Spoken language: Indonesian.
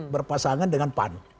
berpasangan dengan pan